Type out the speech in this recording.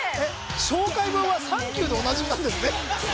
紹介文は「サンキュー」でおなじみなんですね